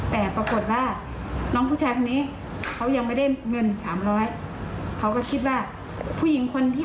แต่ปรากฏว่าน้องผู้ชายแบบนี้